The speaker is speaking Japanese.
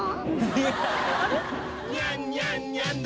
「ニャンニャンニャンだこら」